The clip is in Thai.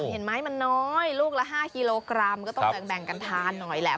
เห็นไหมมันน้อยลูกละ๕กิโลกรัมก็ต้องแบ่งกันทานหน่อยแหละ